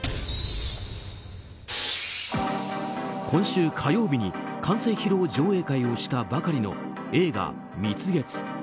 今週火曜日に完成披露上映会をしたばかりの映画「蜜月」。